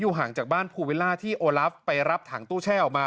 ห่างจากบ้านภูวิลล่าที่โอลับไปรับถังตู้แช่ออกมา